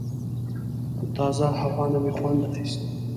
له تازه هوا نه مې خوند اخیست.